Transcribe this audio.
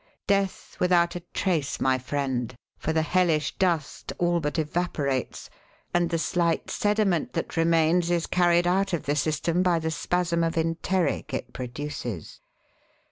Death without a trace, my friend, for the hellish dust all but evaporates, and the slight sediment that remains is carried out of the system by the spasm of enteric it produces.